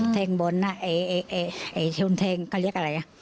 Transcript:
แทงบอลชนแทงก็เรียกอะไร